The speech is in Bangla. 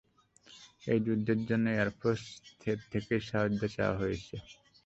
এই যুদ্ধের জন্য এয়ারফোর্স এর থেকেও সাহায্য চাওয়া হয়েছে।